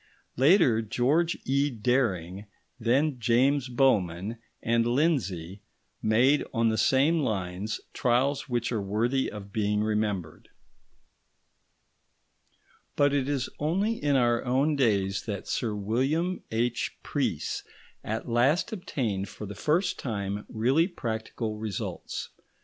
Later, George E. Dering, then James Bowman and Lindsay, made on the same lines trials which are worthy of being remembered. But it is only in our own days that Sir William H. Preece at last obtained for the first time really practical results.